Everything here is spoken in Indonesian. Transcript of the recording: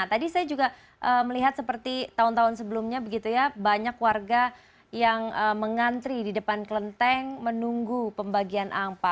tadi saya juga melihat seperti tahun tahun sebelumnya begitu ya banyak warga yang mengantri di depan kelenteng menunggu pembagian ampa